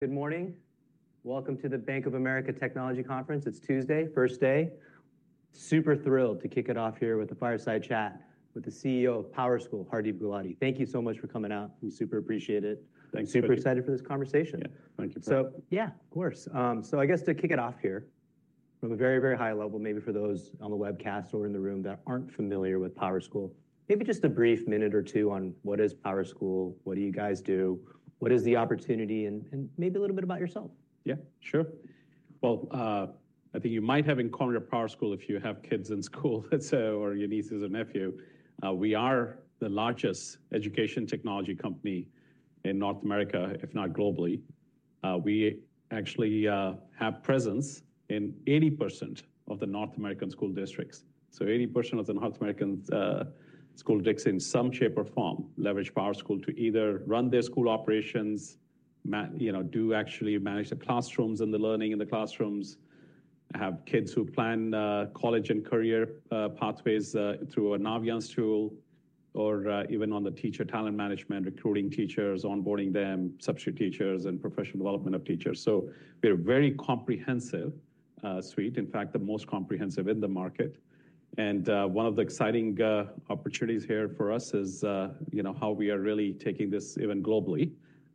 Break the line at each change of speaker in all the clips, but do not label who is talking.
Good morning. Welcome to the Bank of America Technology Conference. It's Tuesday, first day. Super thrilled to kick it off here with a fireside chat with the CEO of PowerSchool, Hardeep Gulati. Thank you so much for coming out. We super appreciate it.
Thanks-
Super excited for this conversation.
Yeah. Thank you.
So yeah, of course. So I guess to kick it off here, from a very, very high level, maybe for those on the webcast or in the room that aren't familiar with PowerSchool, maybe just a brief minute or two on what is PowerSchool, what do you guys do, what is the opportunity, and, and maybe a little bit about yourself.
Yeah, sure. Well, I think you might have encountered PowerSchool if you have kids in school, so, or your nieces or nephew. We are the largest education technology company in North America, if not globally. We actually have presence in 80% of the North American school districts. So 80% of the North American school districts, in some shape or form, leverage PowerSchool to either run their school operations, you know, do actually manage the classrooms and the learning in the classrooms, have kids who plan college and career pathways through a Naviance tool, or even on the teacher talent management, recruiting teachers, onboarding them, substitute teachers, and professional development of teachers. So we are very comprehensive suite, in fact, the most comprehensive in the market. One of the exciting opportunities here for us is, you know, how we are really taking this even globally,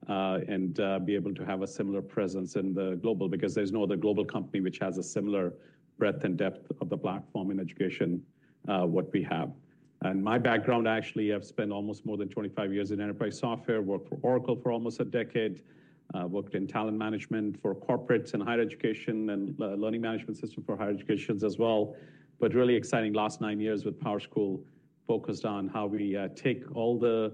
and be able to have a similar presence in the global, because there's no other global company which has a similar breadth and depth of the platform in education what we have. My background, actually, I've spent almost more than 25 years in enterprise software, worked for Oracle for almost a decade, worked in talent management for corporates and higher education, and learning management system for higher educations as well. But really exciting last nine years with PowerSchool, focused on how we take all the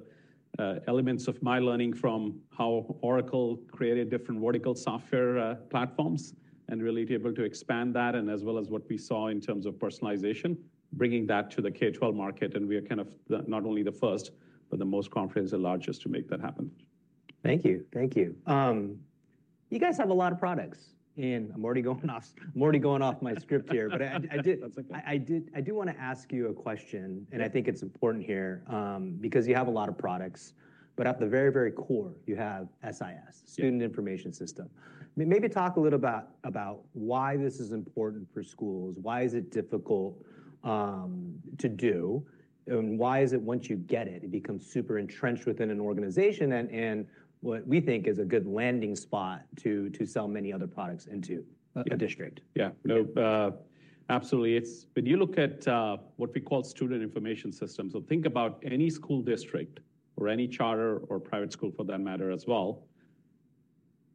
elements of my learning from how Oracle created different vertical software platforms, and really be able to expand that, and as well as what we saw in terms of personalization, bringing that to the K-12 market, and we are kind of the not only the first, but the most comprehensive and largest to make that happen.
Thank you. Thank you. You guys have a lot of products, and I'm already going off, I'm already going off my script here.
That's okay.
But I do wanna ask you a question.
Yeah.
I think it's important here, because you have a lot of products, but at the very, very core, you have SIS.
Yeah...
Student Information System. I mean, maybe talk a little about, about why this is important for schools, why is it difficult, to do, and why is it once you get it, it becomes super entrenched within an organization, and, and what we think is a good landing spot to, to sell many other products into-
Yeah
- a district?
Yeah. No, absolutely. It's. When you look at what we call Student Information Systems, so think about any school district or any charter or private school, for that matter, as well.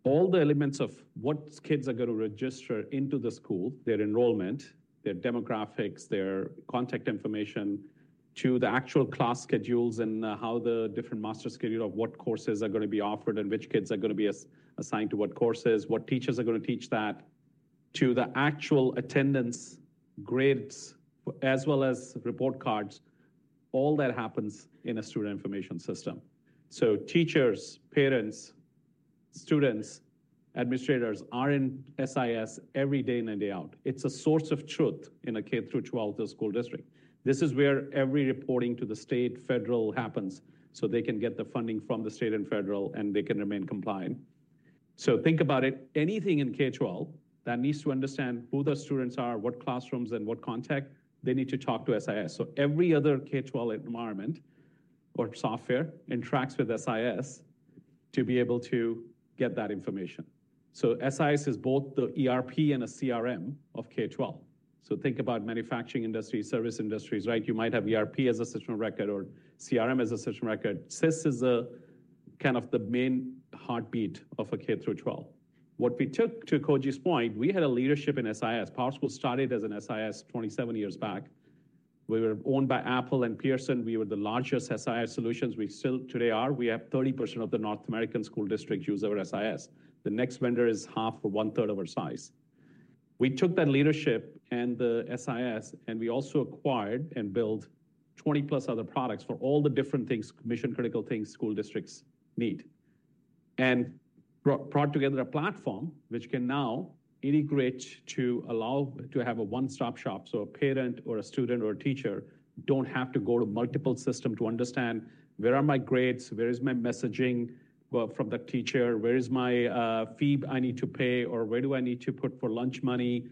All the elements of what kids are going to register into the school, their enrollment, their demographics, their contact information, To the actual class schedules and how the different master schedule of what courses are going to be offered and which kids are going to be assigned to what courses, what teachers are going to teach that, to the actual attendance, grades, as well as report cards, all that happens in a student information system. So teachers, parents, students, administrators are in SIS every day in and day out. It's a source of truth in a K through twelve school district. This is where every reporting to the state, federal happens, so they can get the funding from the state and federal, and they can remain compliant. So think about it, anything in K-12 that needs to understand who the students are, what classrooms and what contact, they need to talk to SIS. So every other K-12 environment or software interacts with SIS to be able to get that information. So SIS is both the ERP and a CRM of K-12. So think about manufacturing industries, service industries, right? You might have ERP as a system of record or CRM as a system of record. SIS is a kind of the main heartbeat of a K-12. What we took, to Koji's point, we had a leadership in SIS. PowerSchool started as an SIS 27 years back. We were owned by Apple and Pearson. We were the largest SIS solutions. We still today are. We have 30% of the North American school districts use our SIS. The next vendor is half or one-third of our size. We took that leadership and the SIS, and we also acquired and built 20-plus other products for all the different things, mission-critical things school districts need. And brought together a platform which can now integrate to allow to have a one-stop shop, so a parent or a student or a teacher don't have to go to multiple system to understand: Where are my grades? Where is my messaging, well, from the teacher? Where is my fee I need to pay? Or where do I need to put for lunch money?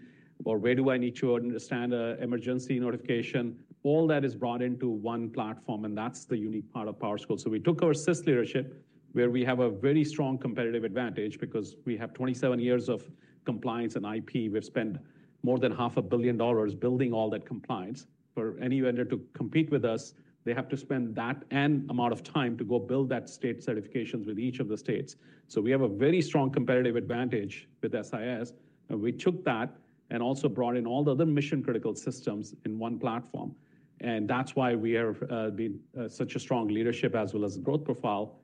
Or where do I need to understand emergency notification? All that is brought into one platform, and that's the unique part of PowerSchool. So we took our SIS leadership, where we have a very strong competitive advantage because we have 27 years of compliance and IP. We've spent more than $500 million building all that compliance. For any vendor to compete with us, they have to spend that same amount of time to go build that state certifications with each of the states. So we have a very strong competitive advantage with SIS, and we took that and also brought in all the other mission-critical systems in one platform. And that's why we have been such a strong leadership as well as growth profile,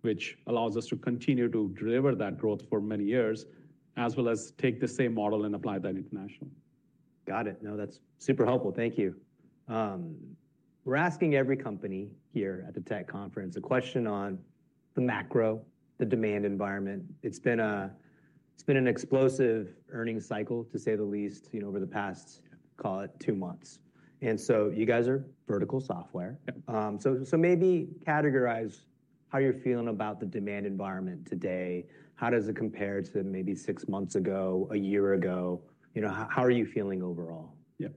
which allows us to continue to deliver that growth for many years, as well as take the same model and apply that international.
Got it. No, that's super helpful. Thank you. We're asking every company here at the tech conference a question on the macro, the demand environment. It's been an explosive earnings cycle, to say the least, you know, over the past, call it, two months. And so you guys are vertical software.
Yep.
So maybe categorize how you're feeling about the demand environment today. How does it compare to maybe six months ago, a year ago? You know, how are you feeling overall?
Yeah.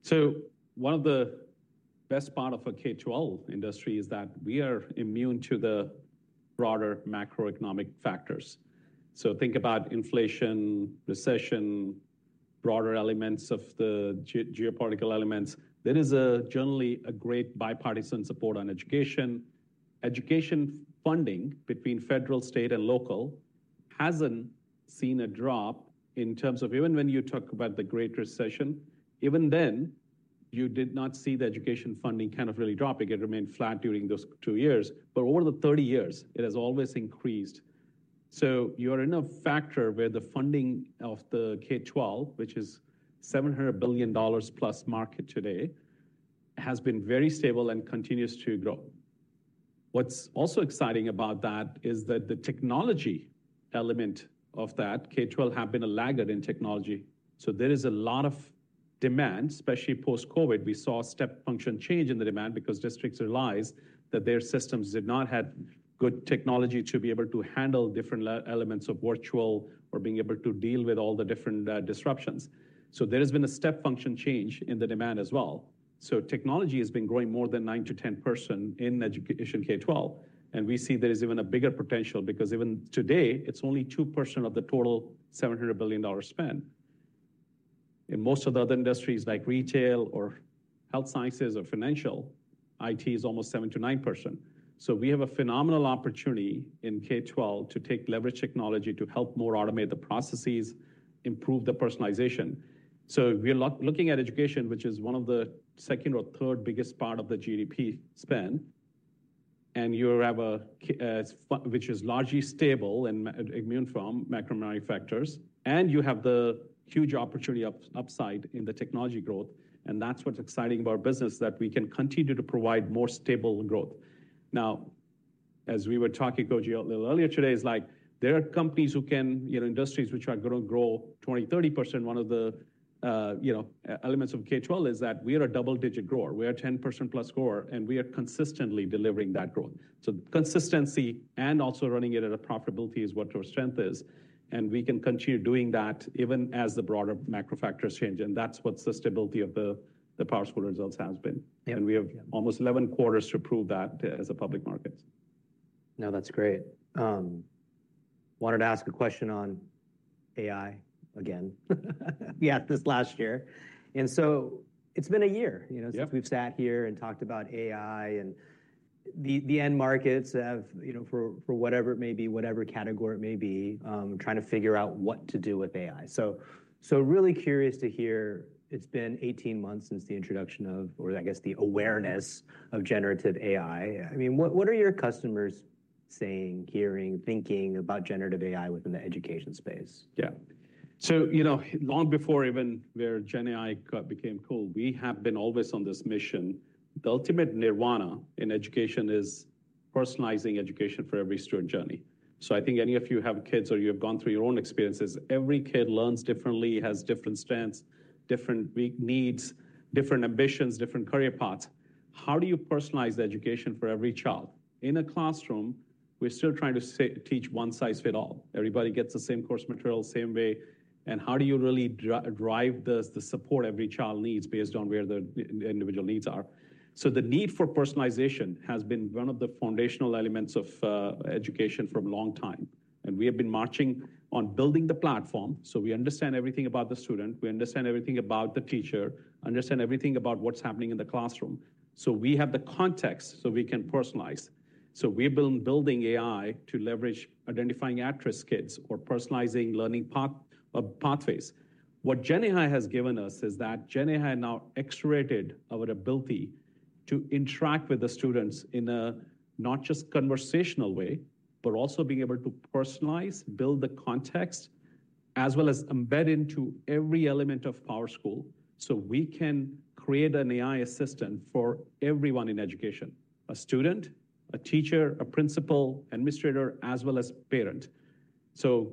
So one of the best part of a K-12 industry is that we are immune to the broader macroeconomic factors. So think about inflation, recession, broader elements of the geopolitical elements. There is generally a great bipartisan support on education. Education funding between federal, state, and local hasn't seen a drop in terms of even when you talk about the Great Recession, even then, you did not see the education funding kind of really dropping. It remained flat during those 2 years, but over the 30 years, it has always increased. So you are in a factor where the funding of the K-12, which is $700 billion-plus market today, has been very stable and continues to grow. What's also exciting about that is that the technology element of that, K-12 have been a laggard in technology. So there is a lot of demand, especially post-COVID. We saw a step function change in the demand because districts realized that their systems did not have good technology to be able to handle different elements of virtual or being able to deal with all the different disruptions. So there has been a step function change in the demand as well. So technology has been growing more than 9%-10% in education K-12, and we see there is even a bigger potential because even today, it's only 2% of the total $700 billion spend. In most of the other industries, like retail or health sciences or financial, IT is almost 7%-9%. So we have a phenomenal opportunity in K-12 to take leverage technology to help more automate the processes, improve the personalization. So we are looking at education, which is one of the second or third biggest part of the GDP spend, and you have a K-12 which is largely stable and mainly immune from macroeconomic factors, and you have the huge opportunity upside in the technology growth, and that's what's exciting about our business, that we can continue to provide more stable growth. Now, as we were talking, Koji, a little earlier today, is like there are companies who can, you know, industries which are gonna grow 20, 30%. One of the, you know, elements of K-12 is that we are a double-digit grower. We are a 10% plus grower, and we are consistently delivering that growth. Consistency and also running it at a profitability is what our strength is, and we can continue doing that even as the broader macro factors change, and that's what the stability of the PowerSchool results has been.
Yeah.
We have almost 11 quarters to prove that as a public market.
No, that's great. Wanted to ask a question on AI again. We asked this last year, and so it's been a year, you know-
Yep...
since we've sat here and talked about AI and the end markets have, you know, for whatever it may be, whatever category it may be, trying to figure out what to do with AI. So really curious to hear, it's been 18 months since the introduction of or I guess, the awareness of generative AI. I mean, what are your customers saying, hearing, thinking about generative AI within the education space?
Yeah. So, you know, long before even where GenAI got became cool, we have been always on this mission. The ultimate nirvana in education is personalizing education for every student journey. So I think any of you have kids or you have gone through your own experiences, every kid learns differently, has different strengths, different weak needs, different ambitions, different career paths. How do you personalize education for every child? In a classroom, we're still trying to teach one-size-fits-all. Everybody gets the same course material, same way, and how do you really drive the support every child needs based on where the individual needs are? So the need for personalization has been one of the foundational elements of education for a long time, and we have been marching on building the platform, so we understand everything about the student, we understand everything about the teacher, understand everything about what's happening in the classroom. So we have the context so we can personalize. So we've been building AI to leverage identifying at-risk kids or personalizing learning path, pathways. What GenAI has given us is that GenAI now accelerated our ability to interact with the students in a not just conversational way, but also being able to personalize, build the context, as well as embed into every element of PowerSchool so we can create an AI assistant for everyone in education: a student, a teacher, a principal, administrator, as well as parent. So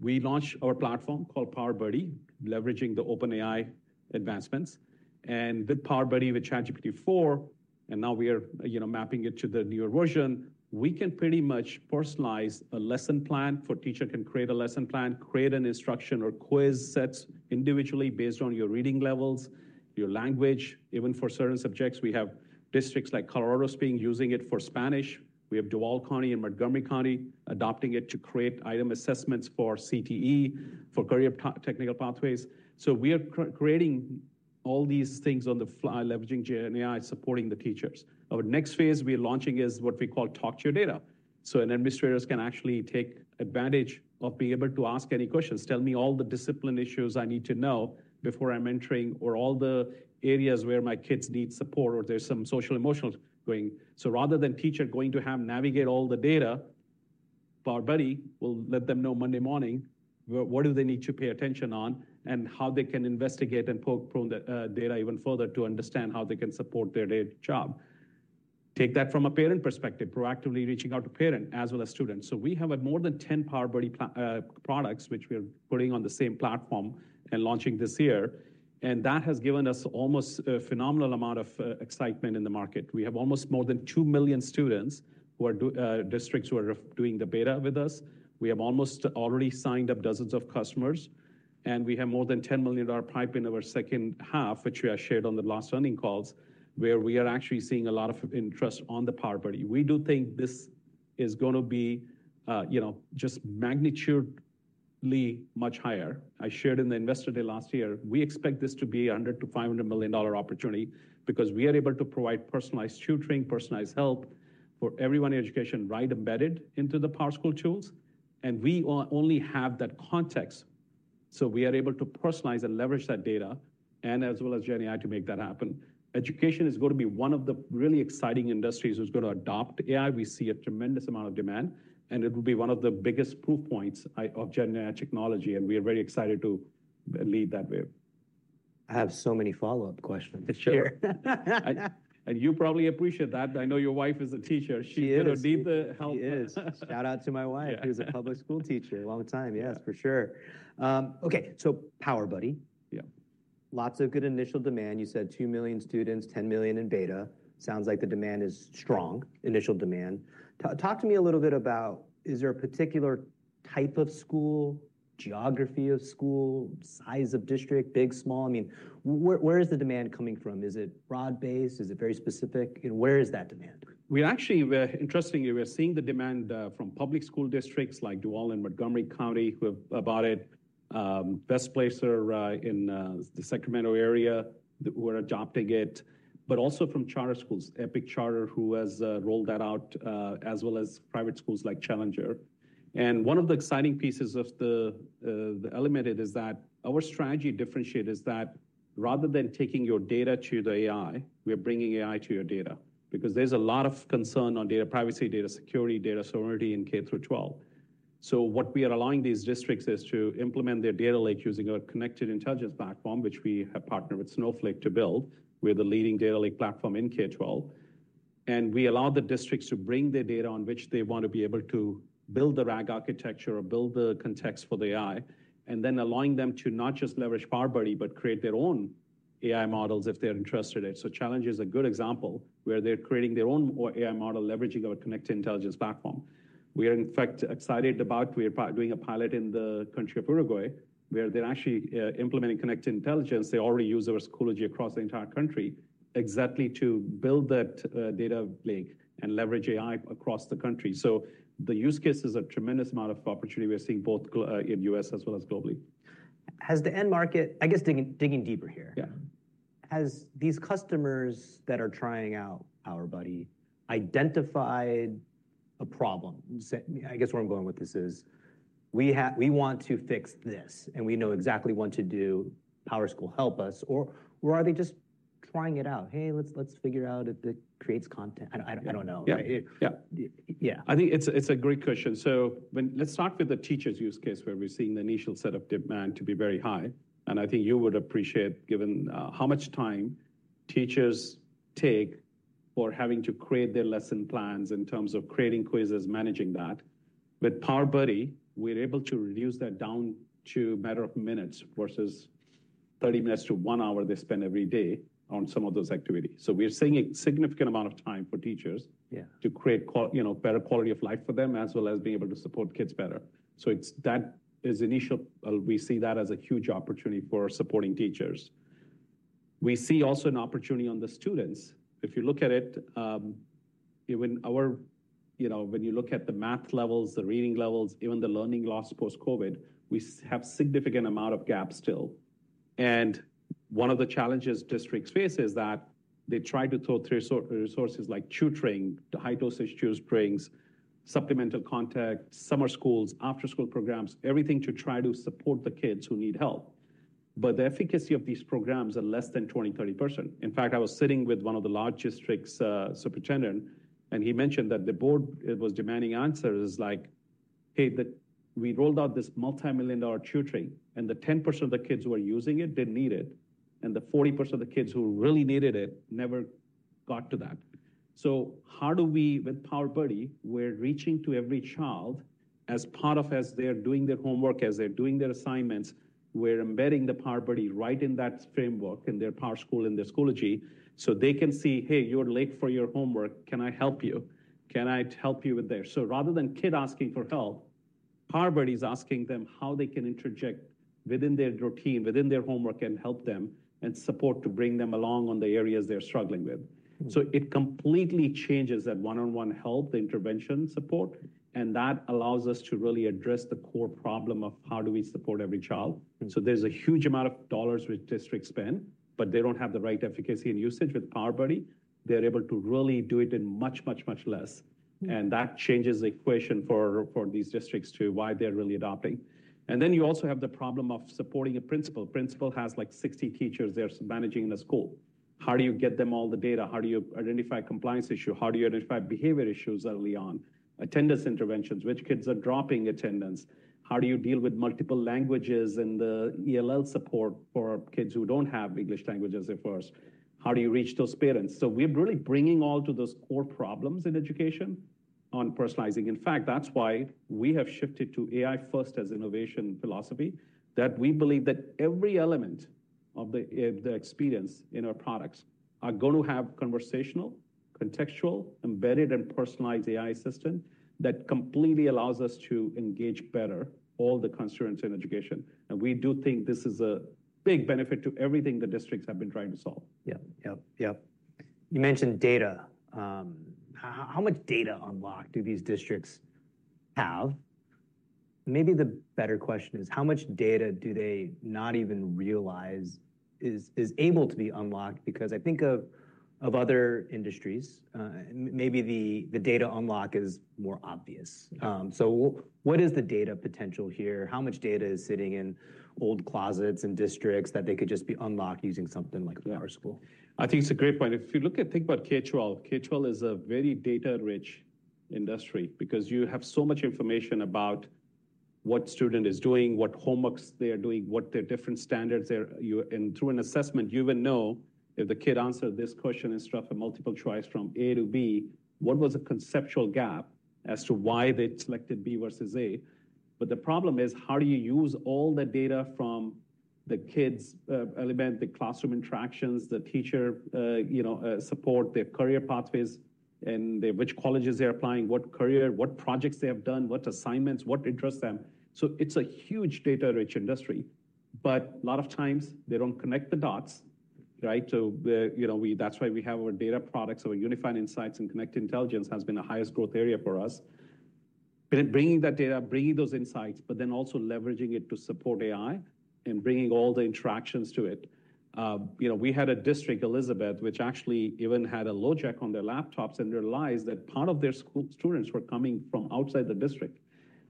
we launched our platform called PowerBuddy, leveraging the OpenAI advancements, and with PowerBuddy, with ChatGPT-4, and now we are, you know, mapping it to the newer version. We can pretty much personalize a lesson plan for teacher can create a lesson plan, create an instruction or quiz sets individually based on your reading levels, your language, even for certain subjects. We have districts like Colorado Springs using it for Spanish. We have Duval County and Montgomery County adopting it to create item assessments for CTE, for career technical pathways. So we are creating all these things on the fly, leveraging GenAI, supporting the teachers. Our next phase we are launching is what we call Talk to Your Data. So administrators can actually take advantage of being able to ask any questions. Tell me all the discipline issues I need to know before I'm entering, or all the areas where my kids need support, or there's some social emotional going." So rather than teacher going to have navigate all the data, PowerBuddy will let them know Monday morning what do they need to pay attention on and how they can investigate and probe into the data even further to understand how they can support their day job. Take that from a parent perspective, proactively reaching out to parent as well as students. So we have more than 10 PowerBuddy platforms, which we are putting on the same platform and launching this year, and that has given us almost a phenomenal amount of excitement in the market. We have almost more than 2 million students who are districts who are doing the beta with us. We have almost already signed up dozens of customers, and we have more than $10 million pipe in our second half, which we have shared on the last earnings calls, where we are actually seeing a lot of interest on the PowerBuddy. We do think this is going to be, you know, just magnitudely much higher. I shared in the Investor Day last year, we expect this to be a $100 million-$500 million opportunity because we are able to provide personalized tutoring, personalized help for everyone in education, right embedded into the PowerSchool tools, and we only have that context. So we are able to personalize and leverage that data and as well as GenAI to make that happen. Education is going to be one of the really exciting industries who's going to adopt AI.We see a tremendous amount of demand, and it will be one of the biggest proof points of GenAI technology, and we are very excited to lead that way.
I have so many follow-up questions here.
And you probably appreciate that. I know your wife is a teacher.
She is.
She, you know, need the help.
She is. Shout out to my wife-
Yeah...
who's a public school teacher a long time. Yes, for sure. Okay, so PowerBuddy.
Yeah.
Lots of good initial demand. You said 2 million students, 10 million in beta. Sounds like the demand is strong, initial demand. Talk to me a little bit about, is there a particular type of school, geography of school, size of district, big, small? I mean, where, where is the demand coming from? Is it broad-based? Is it very specific? Where is that demand?
We actually, we're interestingly, we're seeing the demand from public school districts like Duval and Montgomery County, who have about it, Western Placer, in the Sacramento area, who are adopting it, but also from charter schools. Epic Charter, who has rolled that out, as well as private schools like Challenger. And one of the exciting pieces of the element is that our strategy differentiator is that rather than taking your data to the AI, we are bringing AI to your data. Because there's a lot of concern on data privacy, data security, data sovereignty in K through twelve. So what we are allowing these districts is to implement their data lake using our Connected Intelligence platform, which we have partnered with Snowflake to build. We're the leading data lake platform in K-12, and we allow the districts to bring their data on which they want to be able to build the RAG architecture or build the context for the AI, and then allowing them to not just leverage PowerBuddy, but create their own AI models if they're interested in it. So Challenger is a good example, where they're creating their own AI model, leveraging our Connected Intelligence platform. We are, in fact, excited about we are doing a pilot in the country of Uruguay, where they're actually implementing Connected Intelligence. They already use our Schoology across the entire country, exactly to build that data lake and leverage AI across the country. So the use case is a tremendous amount of opportunity we're seeing both in U.S. as well as globally.
Has the end market... I guess digging deeper here?
Yeah.
Have these customers that are trying out PowerBuddy identified a problem? I guess where I'm going with this is, we want to fix this, and we know exactly what to do, PowerSchool, help us. Or are they just trying it out? "Hey, let's figure out if it creates content." I don't know.
Yeah.
Yeah. Yeah.
I think it's a, it's a great question. So when—let's start with the teacher's use case, where we're seeing the initial set of demand to be very high, and I think you would appreciate, given how much time teachers take for having to create their lesson plans in terms of creating quizzes, managing that. With PowerBuddy, we're able to reduce that down to a matter of minutes versus 30 minutes to 1 hour they spend every day on some of those activities. So we're saving a significant amount of time for teachers.
Yeah...
to create quality you know, better quality of life for them, as well as being able to support kids better. So it's, that is initial, we see that as a huge opportunity for supporting teachers. We see also an opportunity on the students. If you look at it, even our you know, when you look at the math levels, the reading levels, even the learning loss post-COVID, we have significant amount of gaps still. And one of the challenges districts face is that they try to throw so resources like tutoring, high-dosage tutorings, supplemental contact, summer schools, after-school programs, everything to try to support the kids who need help. But the efficacy of these programs are less than 20%-30%. In fact, I was sitting with one of the large district's superintendent, and he mentioned that the board, it was demanding answers like: "Hey, we rolled out this multimillion-dollar tutoring, and the 10% of the kids who are using it didn't need it, and the 40% of the kids who really needed it never got to that." So how do we, with PowerBuddy, we're reaching to every child as part of as they're doing their homework, as they're doing their assignments, we're embedding the PowerBuddy right in that framework, in their PowerSchool, in their Schoology, so they can see: "Hey, you're late for your homework. Can I help you? “Can I help you with this?” So rather than kid asking for help, PowerBuddy is asking them how they can interject within their routine, within their homework, and help them and support to bring them along on the areas they're struggling with.
Mm-hmm.
So it completely changes that one-on-one help, the intervention support, and that allows us to really address the core problem of how do we support every child.
Mm-hmm.
There's a huge amount of dollars which districts spend, but they don't have the right efficacy and usage. With PowerBuddy, they're able to really do it in much, much, much less.
Mm-hmm.
That changes the equation for these districts to why they're really adopting. And then you also have the problem of supporting a principal. Principal has, like, 60 teachers they're managing in a school. How do you get them all the data? How do you identify compliance issue? How do you identify behavior issues early on? Attendance interventions, which kids are dropping attendance? How do you deal with multiple languages and the ELL support for kids who don't have English language as their first? How do you reach those parents? So we're really bringing all to those core problems in education on personalizing. In fact, that's why we have shifted to AI first as innovation philosophy, that we believe that every element of the, the experience in our products are going to have conversational, contextual, embedded, and personalized AI system that completely allows us to engage better all the constituents in education. And we do think this is a big benefit to everything the districts have been trying to solve.
Yep, yep, yep. You mentioned data. How much data unlocked do these districts have? Maybe the better question is, how much data do they not even realize is able to be unlocked? Because I think of other industries, maybe the data unlock is more obvious.
Yeah.
So what is the data potential here? How much data is sitting in old closets and districts that they could just be unlocked using something like PowerSchool?
I think it's a great point. If you look at, think about K-12, K-12 is a very data-rich industry because you have so much information about what student is doing, what homeworks they are doing, what their different standards are. And through an assessment, you even know if the kid answered this question instead of a multiple choice from A to B, what was the conceptual gap as to why they selected B versus A? But the problem is, how do you use all the data from the kids', element, the classroom interactions, the teacher, you know, support, their career pathways, and the which colleges they're applying, what career, what projects they have done, what assignments, what interests them? So it's a huge data-rich industry, but a lot of times they don't connect the dots, right? So, you know, we—that's why we have our data products, our Unified Insights, and Connected Intelligence has been the highest growth area for us. But in bringing that data, bringing those insights, but then also leveraging it to support AI and bringing all the interactions to it. You know, we had a district, Elizabeth, which actually even had a LoJack on their laptops and realized that part of their school students were coming from outside the district.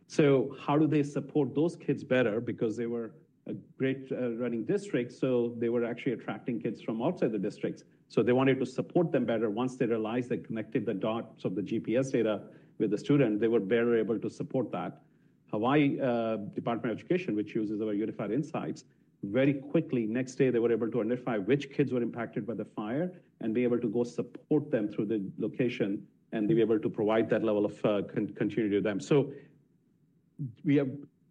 So how do they support those kids better? Because they were a great running district, so they were actually attracting kids from outside the districts. So they wanted to support them better. Once they realized they connected the dots of the GPS data with the student, they were better able to support that. Hawaii Department of Education, which uses our Unified Insights, very quickly, next day, they were able to identify which kids were impacted by the fire and be able to go support them through the location and be able to provide that level of continuity to them. So we have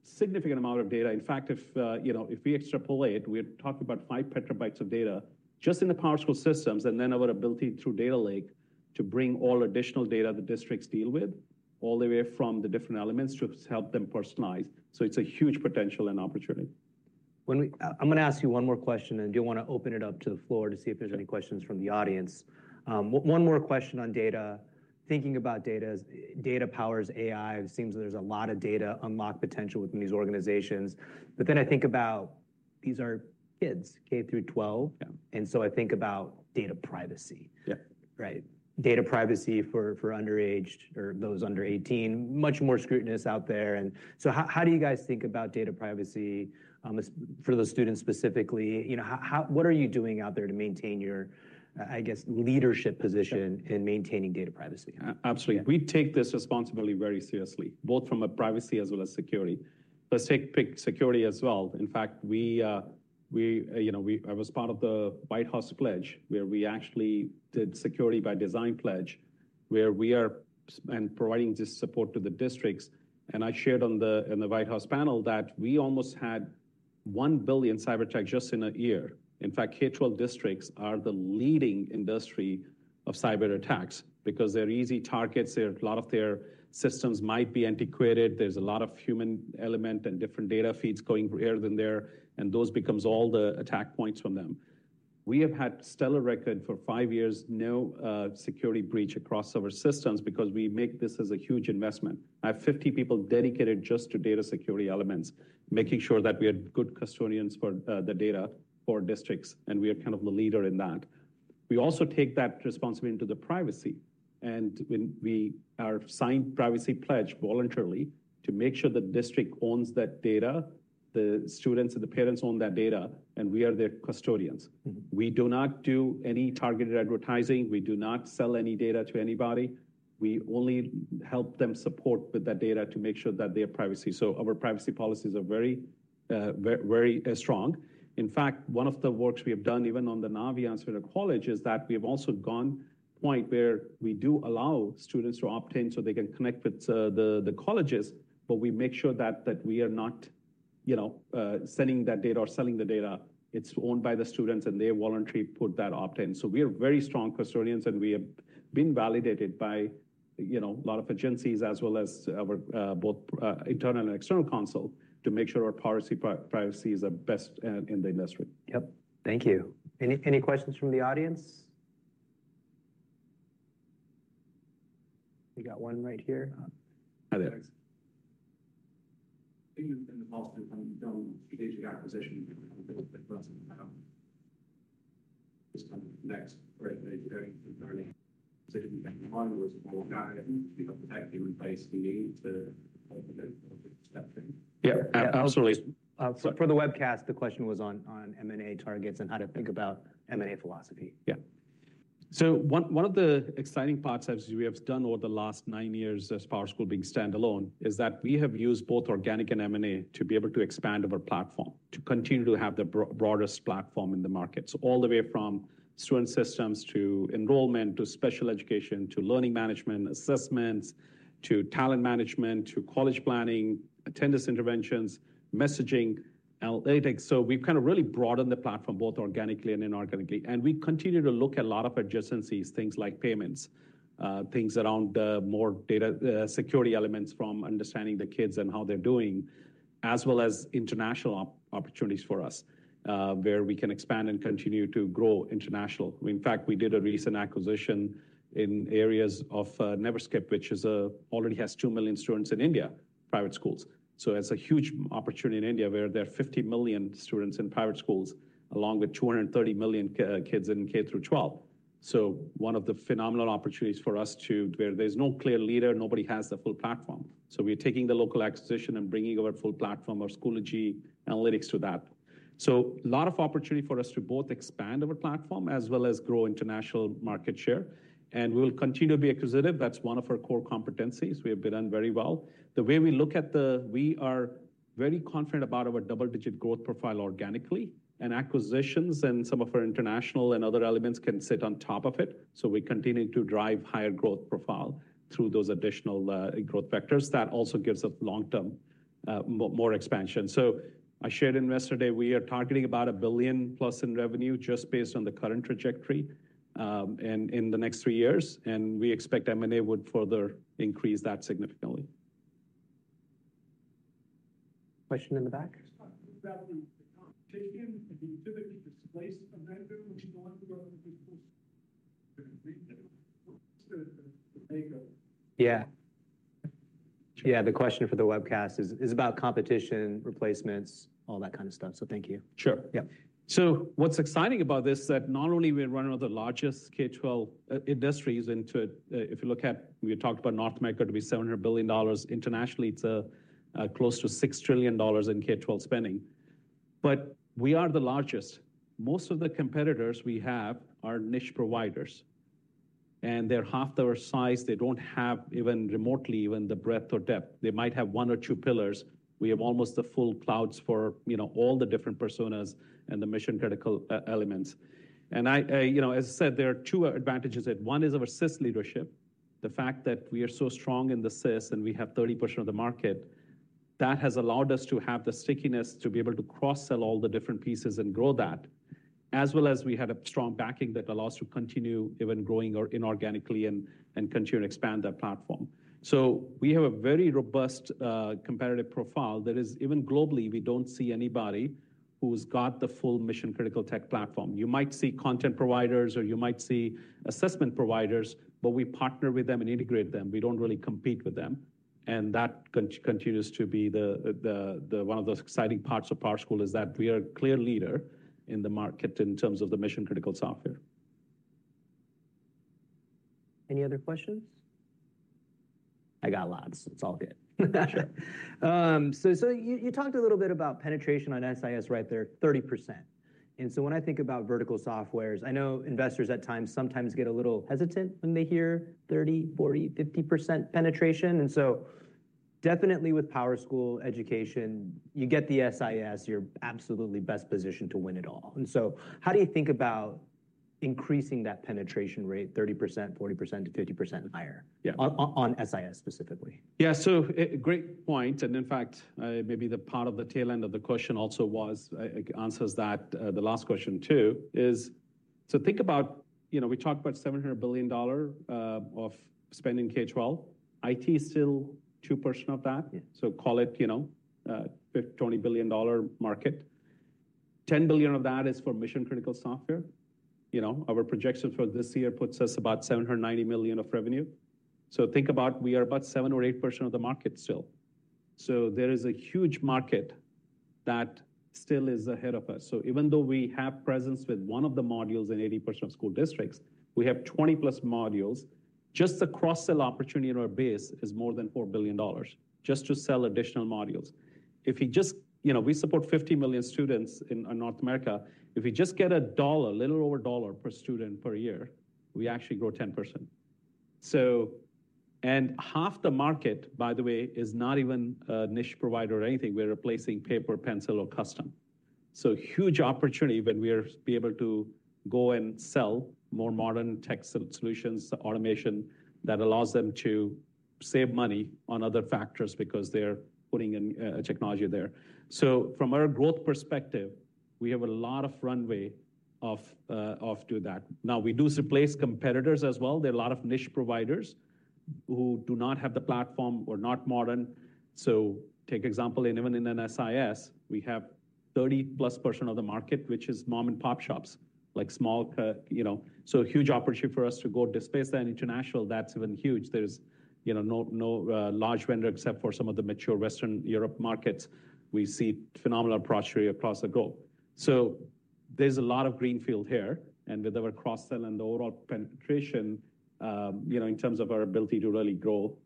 significant amount of data. In fact, if you know, if we extrapolate, we talked about 5 PB of data just in the PowerSchool systems, and then our ability through Data Lake to bring all additional data the districts deal with, all the way from the different elements to help them personalize. So it's a huge potential and opportunity.
I'm going to ask you one more question, and I do want to open it up to the floor to see if there's any questions from the audience. One more question on data. Thinking about data, data powers AI, it seems there's a lot of data unlocked potential within these organizations. But then I think about these are kids, K through twelve.
Yeah.
I think about data privacy.
Yeah.
Right. Data privacy for underaged or those under eighteen, much more scrutinous out there. And so how do you guys think about data privacy as for those students specifically? You know, what are you doing out there to maintain your, I guess, leadership position-
Yeah...
in maintaining data privacy?
A-absolutely.
Yeah.
We take this responsibility very seriously, both from a privacy as well as security. Let's pick security as well. In fact, we, we, you know, we I was part of the White House pledge, where we actually did security by design pledge, where we are and providing this support to the districts. And I shared in the White House panel that we almost had 1 billion cyberattacks just in a year. In fact, K-12 districts are the leading industry of cyberattacks because they're easy targets. There, a lot of their systems might be antiquated. There's a lot of human element and different data feeds going here, then there, and those becomes all the attack points from them. We have had stellar record for five years, no, security breach across our systems because we make this as a huge investment. I have 50 people dedicated just to data security elements, making sure that we are good custodians for the data for districts, and we are kind of the leader in that. We also take that responsibility to the privacy, and when we are signed privacy pledge voluntarily to make sure the district owns that data, the students and the parents own that data, and we are their custodians.
Mm-hmm.
We do not do any targeted advertising. We do not sell any data to anybody. We only help them support with that data to make sure that their privacy. So our privacy policies are very, very, very strong. In fact, one of the works we have done, even on the Naviance for the college, is that we have also gone point where we do allow students to opt in so they can connect with the colleges, but we make sure that we are not, you know, sending that data or selling the data. It's owned by the students, and they voluntarily put that opt-in. So we are very strong custodians, and we have been validated by, you know, a lot of agencies as well as our both internal and external controls to make sure our privacy is the best in the industry.
Yep. Thank you. Any, any questions from the audience? We got one right here.
Hi there.
In the past, you've done strategic acquisition, next learning, replace the need to... That thing.
Yeah, absolutely.
So for the webcast, the question was on M&A targets and how to think about M&A philosophy.
So one, one of the exciting parts as we have done over the last nine years as PowerSchool being standalone, is that we have used both organic and M&A to be able to expand our platform, to continue to have the broadest platform in the market. So all the way from student systems to enrollment, to special education, to learning management, assessments, to talent management, to college planning, attendance interventions, messaging, analytics. So we've kind of really broadened the platform both organically and inorganically. And we continue to look at a lot of adjacencies, things like payments, things around more data, security elements from understanding the kids and how they're doing, as well as international opportunities for us, where we can expand and continue to grow international. In fact, we did a recent acquisition in areas of Neverskip, which already has 2 million students in India, private schools. So it's a huge opportunity in India, where there are 50 million students in private schools, along with 230 million kids in K through 12. So one of the phenomenal opportunities for us to where there's no clear leader, nobody has the full platform. So we're taking the local acquisition and bringing our full platform, our Schoology analytics to that. So a lot of opportunity for us to both expand our platform as well as grow international market share, and we will continue to be acquisitive. That's one of our core competencies. We have done very well. The way we look at the, we are very confident about our double-digit growth profile organically, and acquisitions and some of our international and other elements can sit on top of it. So we continue to drive higher growth profile through those additional growth vectors. That also gives us long-term more expansion. So I shared investor day, we are targeting about $1 billion+ in revenue just based on the current trajectory, and in the next three years, and we expect M&A would further increase that significantly.
Question in the back?
Just talking about the competition, do you typically displace a vendor when you go on to other people?
Yeah. Yeah, the question for the webcast is about competition, replacements, all that kind of stuff. So thank you.
Sure.
Yeah.
So what's exciting about this is that not only we're one of the largest K-12 industries into, if you look at—we talked about North America to be $700 billion. Internationally, it's close to $6 trillion in K-12 spending, but we are the largest. Most of the competitors we have are niche providers, and they're half our size. They don't have even remotely even the breadth or depth. They might have one or two pillars. We have almost the full clouds for, you know, all the different personas and the mission-critical ERP elements. And I, you know, as I said, there are two advantages. One is our SIS leadership. The fact that we are so strong in the SIS and we have 30% of the market, that has allowed us to have the stickiness to be able to cross-sell all the different pieces and grow that, as well as we had a strong backing that allows to continue even growing or inorganically and continue to expand that platform. So we have a very robust competitive profile. That is, even globally, we don't see anybody who's got the full mission-critical tech platform. You might see content providers or you might see assessment providers, but we partner with them and integrate them. We don't really compete with them, and that continues to be the one of the exciting parts of PowerSchool, is that we are a clear leader in the market in terms of the mission-critical software.
Any other questions? I got lots. It's all good.
Sure.
So you talked a little bit about penetration on SIS right there, 30%. And so when I think about vertical softwares, I know investors at times sometimes get a little hesitant when they hear 30, 40, 50% penetration, and so definitely with PowerSchool education, you get the SIS, you're absolutely best positioned to win it all. And so how do you think about increasing that penetration rate, 30%, 40%-50% and higher?
Yeah.
On SIS specifically?
Yeah, so great point, and in fact, maybe the part of the tail end of the question also was answers that, the last question, too, is, so think about, you know, we talked about $700 billion of spend in K-12. IT is still 2% of that.
Yeah.
So call it, you know, $20 billion market. $10 billion of that is for mission-critical software. You know, our projections for this year puts us about $790 million of revenue. So think about we are about 7% or 8% of the market still. So there is a huge market that still is ahead of us. So even though we have presence with one of the modules in 80% of school districts, we have 20+ modules. Just the cross-sell opportunity in our base is more than $4 billion, just to sell additional modules. If you just-- you know, we support 50 million students in North America. If we just get $1, a little over $1 per student per year, we actually grow 10%. So, half the market, by the way, is not even a niche provider or anything. We're replacing paper, pencil, or custom. So huge opportunity when we are be able to go and sell more modern tech solutions, automation, that allows them to save money on other factors because they're putting in, technology there. So from a growth perspective, we have a lot of runway to that. Now, we do replace competitors as well. There are a lot of niche providers who do not have the platform or not modern. So take example, and even in SIS, we have 30%+ of the market, which is mom-and-pop shops, like small, you know. So a huge opportunity for us to go displace that. International, that's even huge. There's, you know, no, no large vendor except for some of the mature Western Europe markets. We see phenomenal opportunity across the globe. So there's a lot of greenfield here, and with our cross-sell and the overall penetration, you know, in terms of our ability to really grow,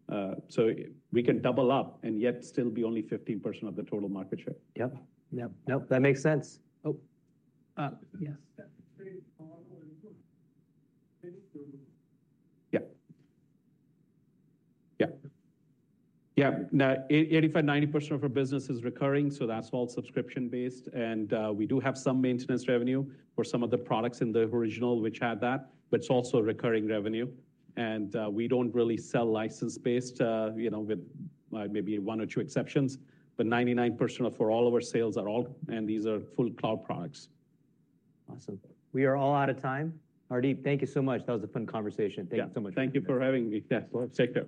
so we can double up and yet still be only 15% of the total market share.
Yep. Yep. Nope, that makes sense. Oh, yes.
Yeah. Yeah. Yeah, now, 85%-90% of our business is recurring, so that's all subscription-based, and we do have some maintenance revenue for some of the products in the original which had that, but it's also recurring revenue. We don't really sell license-based, you know, with maybe 1 or 2 exceptions, but 99% of all of our sales are all, and these are full cloud products.
Awesome. We are all out of time. Hardeep, thank you so much. That was a fun conversation.
Yeah.
Thank you so much.
Thank you for having me. Yes, well said, yeah.